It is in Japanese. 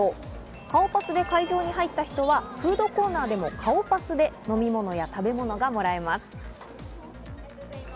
顔パスで会場に入った人はフードコーナーでも顔パスで飲み物や食べ物がもらえます。